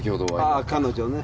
ああ彼女ね。